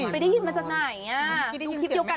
ไม่ได้ยินมาจากไหนดูคลิปเดียวกัน